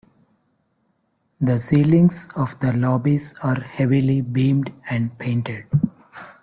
The ceilings of the lobbies are heavily beamed and painted.